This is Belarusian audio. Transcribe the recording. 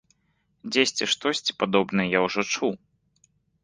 Дзесьці штосьці падобнае я ўжо чуў.